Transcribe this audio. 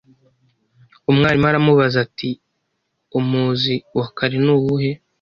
Umwarimu aramubaza ati: "Umuzi wa kare ni uwuhe